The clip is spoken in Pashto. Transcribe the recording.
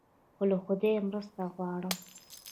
خو له خدایه مرسته غواړم.